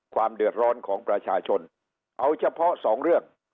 ความเดือดร้อนของประชาชนเอาเฉพาะสองเรื่อง